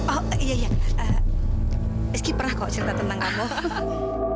oh iya iya rizky pernah kok cerita tentang aku